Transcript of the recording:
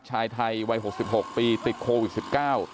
ชายไทยวัยหกสิบหกปีติดโควิดสิบเก้า